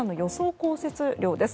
降雪量です。